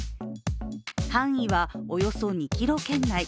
範囲はおよそ２ｋｍ圏内。